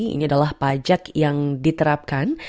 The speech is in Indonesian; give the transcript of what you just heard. ini adalah pajak yang diterapkan